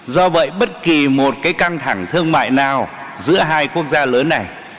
do vậy bất kỳ một cái căng thẳng thương mại nào giữa hai quốc gia lớn này